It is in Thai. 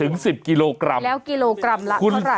แล้วกิโลกรัมละเท่าไหร่